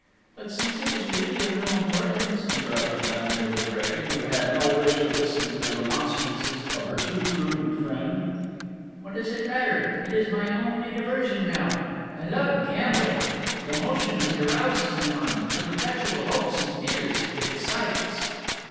"But since it is really of no importance!" interrupted Madame de Vibray, who had no wish to listen to the remonstrances of her too prudent friend: "What does it matter? It is my only diversion now!... I love gambling the emotions it arouses in one, the perpetual hopes and fears it excites!"